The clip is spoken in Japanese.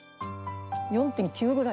４．９ぐらい。